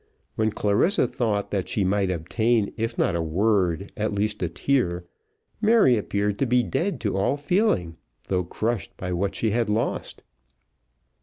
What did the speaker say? When Clarissa thought that she might obtain if not a word, at least a tear, Mary appeared to be dead to all feeling, though crushed by what she had lost.